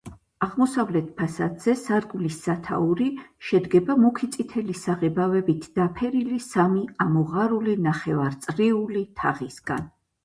აღმოსავლეთ ფასადზე სარკმლის სათაური შედგება მუქი წითელი საღებავით დაფერილი სამი ამოღარული ნახევარწრიული თაღისგან.